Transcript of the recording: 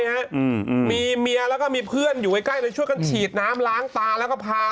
ฮะอืมมีเมียแล้วก็มีเพื่อนอยู่ใกล้ใกล้เลยช่วยกันฉีดน้ำล้างตาแล้วก็พา